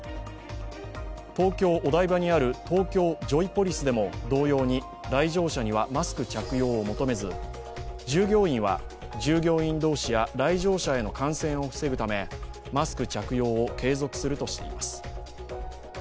東京・お台場にある東京ジョイポリスでも同様に来場者にはマスク着用を求めず従業員は従業員同士や来場者への感染を防ぐため、マスク着用を継続するとしています。